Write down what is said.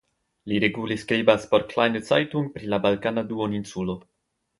Li regule skribas por Kleine Zeitung pri la Balkana duoninsulo.